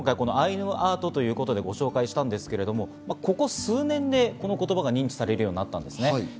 アイヌアートということでご紹介しましたが、ここ数年で、この言葉が認知されるようになったんですね。